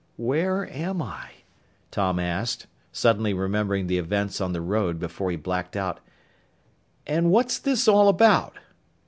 "Where am I?" Tom asked, suddenly remembering the events on the road before he blacked out. "And what's this all about?"